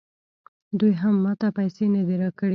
دوی هم ماته پیسې نه دي راکړي